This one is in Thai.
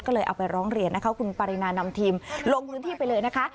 ก็เลยเอาไปร้องเรียนนะคะคุณปรินานำทีมลงพื้นที่ไปเลยนะคะ